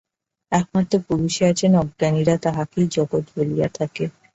একমাত্র পুরুষই আছেন, অজ্ঞানীরা তাঁহাকেই জগৎ বলিয়া থাকে।